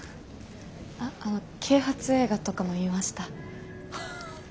あの啓発映画とかも見ました。